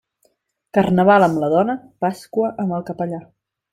Carnaval amb la dona, Pasqua amb el capellà.